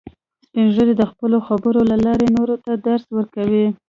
سپین ږیری د خپلو خبرو له لارې نورو ته درس ورکوي